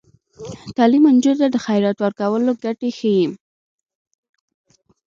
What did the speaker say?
تعلیم نجونو ته د خیرات ورکولو ګټې ښيي.